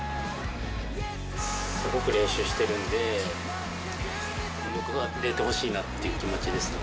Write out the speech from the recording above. すごく練習してるんで、報われてほしいなっていう気持ちですね。